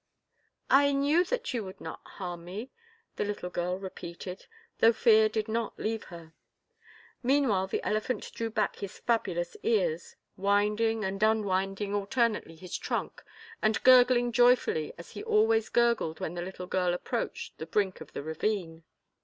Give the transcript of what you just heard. "I knew that you would not harm me," the little girl repeated, though fear did not leave her. Meanwhile the elephant drew back his fabulous ears, winding and unwinding alternately his trunk and gurgling joyfully as he always gurgled when the little girl approached the brink of the ravine.